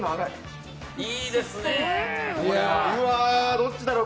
どっちだろ？